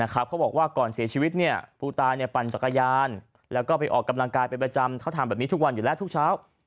เขาบอกว่าก่อนเสียชีวิตผู้ตายปั่นจักรยานแล้วก็ไปออกกำลังกายเป็นประจำเขาทำแบบนี้ทุกวันอยู่แล้วทุกเช้า